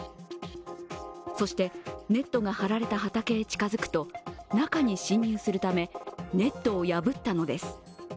そしてネットが張られた畑へ近づくと、中に侵入するため、ネットを破ったのです。